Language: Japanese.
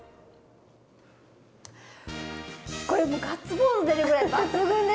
これもうガッツポーズ出るぐらい抜群ですね！